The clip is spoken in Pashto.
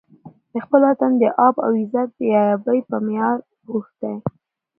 د خپل وطن د آب او عزت بې ابۍ په معیار اوښتی.